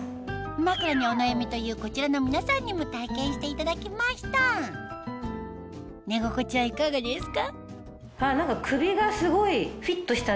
枕にお悩みというこちらの皆さんにも体験していただきました寝心地はいかがですか？